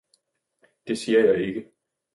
Det siger jeg ikke!